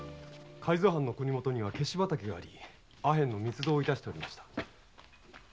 海津藩の国許にはケシ畑がありアヘン密造をしておりました。